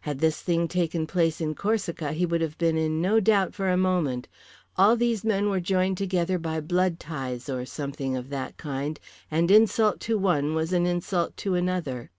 Had this thing taken place in Corsica he would have been in no doubt for a moment. All these men were joined together by blood ties or something of that kind, and insult to one was an insult to another.